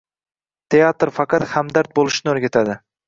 Teatr faqat hamdard bo‘lishni o‘rgatadi.